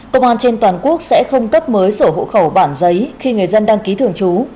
công an trên toàn quốc sẽ không cấp mới sổ hộ khẩu bản giấy khi người dân đăng ký thường trú